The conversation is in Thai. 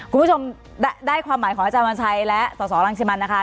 คุณผู้ชมได้ความหมายของอาจารย์วันชัยและสสรังสิมันนะคะ